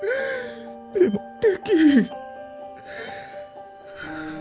でもできひん。